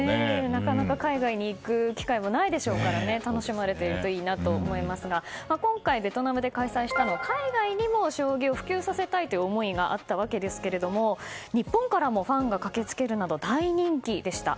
なかなか海外に行く機会もないと思いますので楽しまれているといいと思いますが今回ベトナムで開催したのは海外にも将棋を普及させたいという思いがあったわけですが日本からもファンが駆けつけるなど大人気でした。